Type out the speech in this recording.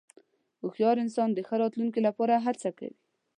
هوښیار انسان د ښه راتلونکې لپاره هڅه کوي.